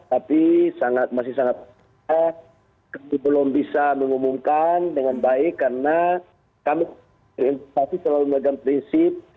tapi masih sangat kami belum bisa mengumumkan dengan baik karena kami investasi selalu memegang prinsip